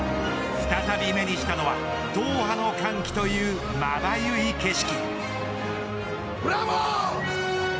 再び目にしたのはドーハの歓喜というまばゆい景色。